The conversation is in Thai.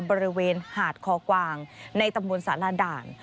บริเวณหาดคอกวางในตำบลสารด่าน